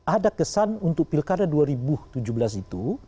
ada kesan untuk pilkada dua ribu tujuh belas itu